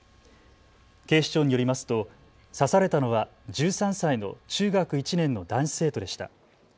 警視庁によりますと刺されたのは１３歳の中学１年の男子生徒でした。